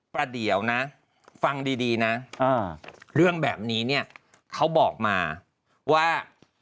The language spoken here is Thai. ประเดี๋ยวนะฟังดีนะเรื่องแบบนี้เนี่ยเขาบอกมาว่า